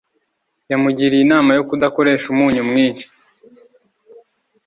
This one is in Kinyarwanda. yamugiriye inama yo kudakoresha umunyu mwinshi